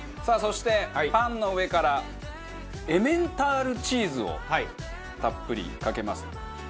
さあそしてパンの上からエメンタールチーズをたっぷりかけます。